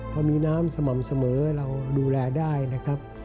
พอมีน้ำสม่ำเสมอเราดูแลได้นะครับ